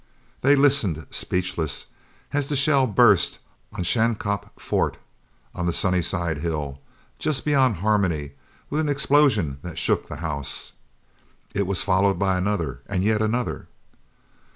They listened, speechless, as the shell burst on Schanskop Fort, on the Sunnyside hill, just beyond Harmony, with an explosion that shook the house. It was followed by another and yet another.